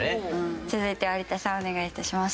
続いて有田さんお願いいたします。